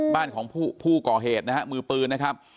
บ้านของผู้ก่อเหตุนะฮะมือปืนนะครับ